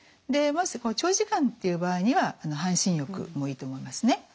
長時間っていう場合には半身浴もいいと思いますね。